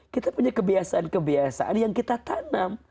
kita punya kebiasaan kebiasaan yang kita tanam